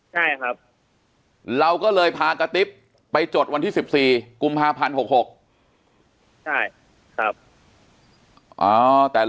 ใช่ครับเราก็เลยพากระติ๊บไปจดวันที่๑๔กุมภาพันธ์๖๖